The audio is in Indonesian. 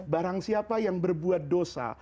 barang siapa yang berbuat dosa